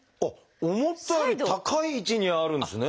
思ったより高い位置にあるんですね。